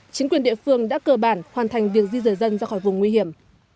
chính quyền địa phương đã cơ bản hoàn thành việc di rời dân ra khỏi vùng nguy hiểm